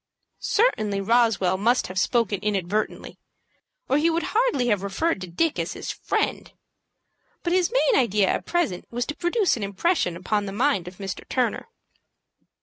Certainly Roswell must have spoken inadvertently, or he would hardly have referred to Dick as his friend; but his main idea at present was to produce an impression upon the mind of Mr. Turner.